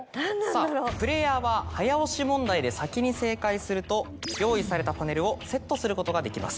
さぁプレーヤーは早押し問題で先に正解すると用意されたパネルをセットすることができます。